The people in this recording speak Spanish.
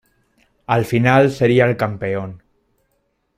Al final sería el campeón.